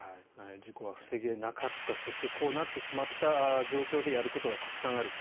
事故は防げなかったそしてこうなってしまった状況でやることがたくさんある。